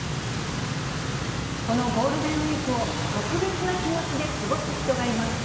このゴールデンウィークを特別な気持ちで過ごす人がいます。